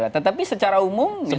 tetapi secara umum misalnya